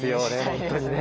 本当にね。